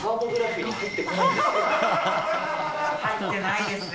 入ってないですね。